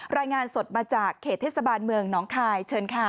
รายงานสดมาจากเขตเทศบาลเมืองน้องคายเชิญค่ะ